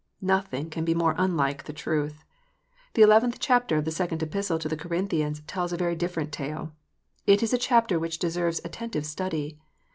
Nothing can be more unlike the truth ! The eleventh chapter of the second Epistle to the Corinthians tells a very different tale. It is a chapter which deserves attentive study.